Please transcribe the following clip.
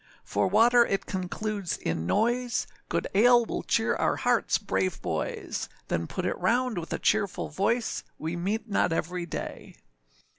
For water it concludes in noise, Good ale will cheer our hearts, brave boys; Then put it round with a cheerful voice, We meet not every day.